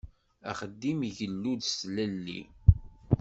Axeddim igellu-d s tlelli.